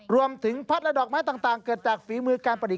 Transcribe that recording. รวมถึงพัฒนาดอกไม้ต่างเกิดจากฝีมือการประดิษฐ์